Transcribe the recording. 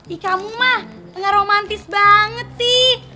ih kamu mah pengen romantis banget sih